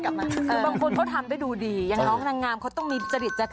คือบางคนเขาทำได้ดูดีอย่างน้องนางงามเขาต้องมีจริตจักร